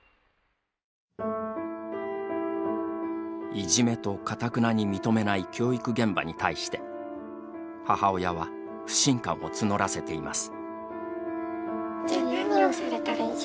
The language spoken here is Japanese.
いじめと、かたくなに認めない教育現場に対して母親は不信感を募らせています。